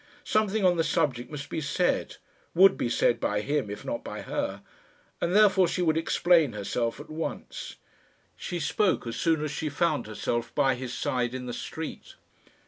Something on the subject must be said would be said by him if not by her and therefore she would explain herself at once. She spoke as soon as she found herself by his side in the street.